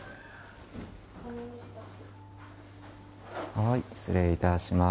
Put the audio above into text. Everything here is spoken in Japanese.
はい失礼いたします。